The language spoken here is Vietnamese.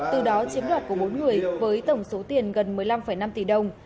từ đó chiếm đoạt của bốn người với tổng số tiền gần một mươi năm năm tỷ đồng